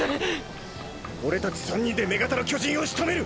俺たち３人で女型の巨人を仕留める！